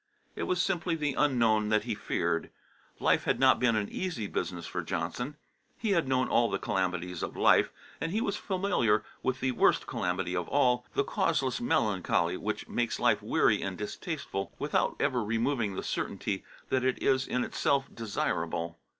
It was simply the unknown that he feared. Life had not been an easy business for Johnson; he had known all the calamities of life, and he was familiar with the worst calamity of all, the causeless melancholy which makes life weary and distasteful without ever removing the certainty that it is in itself desirable.